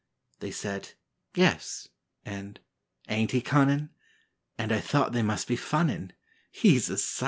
They said, "Yes," and, "Ain't he cunnin'?" And I thought they must be funnin', He's a _sight!